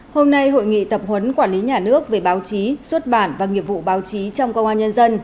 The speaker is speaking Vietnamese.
hôm nay hội nghị tập huấn quản lý nhà nước về báo chí xuất bản và nghiệp vụ báo chí trong công an nhân dân